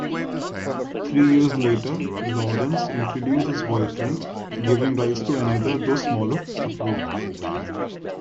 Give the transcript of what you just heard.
Three years later, Lawrence introduced his boyfriend, giving rise to another, though smaller, uproar.